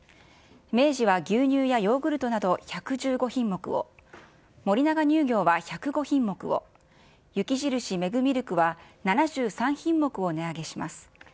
明治は牛乳やヨーグルトなど、１１５品目を、森永乳業は１０５品目を、雪印メグミルクは７３品目を値上げします。